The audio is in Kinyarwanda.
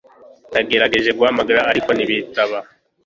Nagerageje guhamagara ariko ntibitaba